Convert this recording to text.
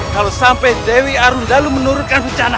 kalo sampai dewi arundalu menurunkan rencana